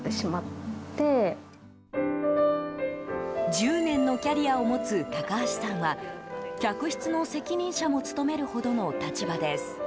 １０年のキャリアを持つ高橋さんは客室の責任者も務めるほどの立場です。